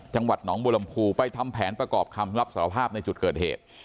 จังหวัดหนองบัวลำพูไปทำแผนประกอบคำรับสารภาพในจุดเกิดเหตุ